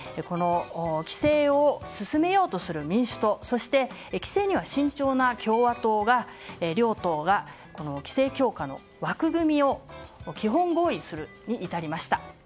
規制を進めようとする民主党そして、規制には慎重な共和党の両党が規制強化の枠組みを基本合意するに至りました。